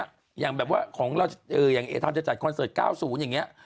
อย่างแบบว่าของเราอย่างเอทามจะจัดคอนเสิร์ต๙๐อย่างนี้